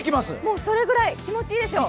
それぐらい気持ちいいでしょう。